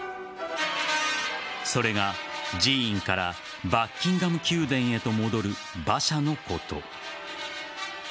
それが寺院からバッキンガム宮殿へと戻る馬車のこと。